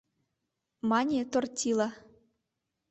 — мане Тортила.